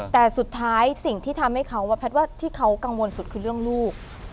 แต่สุดท้ายสิ่งที่ทำให้เขาว่าแพทย์ว่าที่เขากังวลสุดคือเรื่องลูก